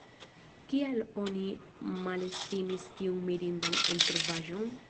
Kial oni malestimis tiun mirindan eltrovaĵon?